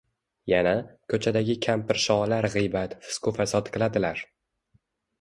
yana, ko‘chadagi kampirsholar g‘iybat, fisqu fasod qiladilar.